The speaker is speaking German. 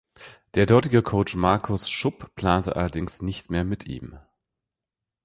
Der dortige Coach Markus Schupp plante allerdings nicht mehr mit ihm.